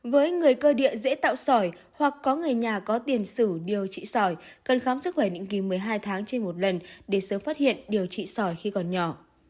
với người cơ địa dễ tạo sỏi hoặc có người nhà có tiền sử điều trị sỏi cần khám sức khỏe định kỳ một mươi hai tháng trên một lần để sớm phát hiện điều trị sỏi khi còn nhỏ